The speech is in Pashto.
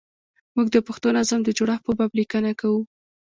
موږ د پښتو نظم د جوړښت په باب لیکنه کوو.